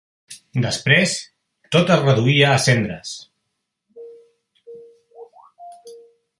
Després tot es reduïa a cendres.